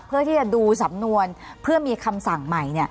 เพื่อที่จะดูสำนวนเพื่อมีคำสั่งใหม่